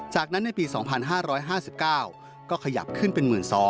จากนั้นในปี๒๕๕๙ก็ขยับขึ้นเป็น๑๒๐๐